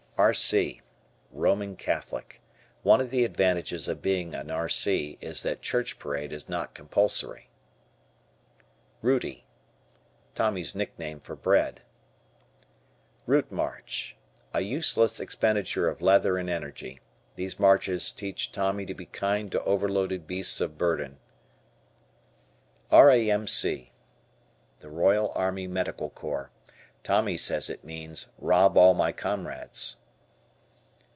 R. C. Roman Catholic. One of the advantages of being a R.C. is that "Church Parade" is not compulsory. "Rooty." Tommy's nickname for bread. Route March. A useless expenditure of leather and energy. These marches teach Tommy to be kind to overloaded beasts of burden. R.A.M.C. Royal Army Medical Corps. Tommy says it means "Rob All My Comrades."